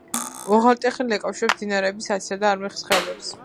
უღელტეხილი აკავშირებს მდინარეების ასისა და არმხის ხეობებს.